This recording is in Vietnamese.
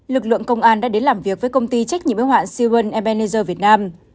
lực lượng công an đã đến làm việc với công ty trách nhiệm ưu hoạn siren ebenezer việt nam